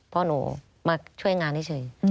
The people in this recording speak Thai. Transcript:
พ่อหนูมาช่วยงานให้เฉย